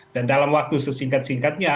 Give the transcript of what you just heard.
dan dalam waktu sesikat sikatnya